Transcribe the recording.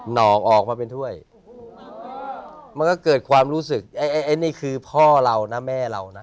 น้องออกมาเป็นถ้วยมันก็เกิดความรู้สึกไอ้ไอ้นี่คือพ่อเรานะแม่เรานะ